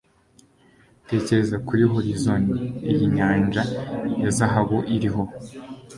tekereza kuri horizoni iyi nyanja ya zahabu iriho